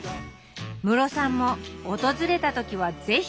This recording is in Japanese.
ムロさんも訪れた時は是非！